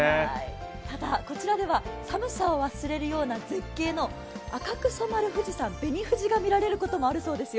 ただ、こちらでは、寒さを忘れるような絶景の赤く染まる富士山、紅富士が見られることもあるそうですよ。